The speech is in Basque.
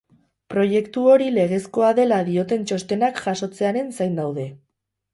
Proiektu hori legezkoa dela dioten txostenak jasotzearen zain daude.